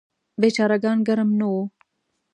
بیچاره ګان ګرم نه وو.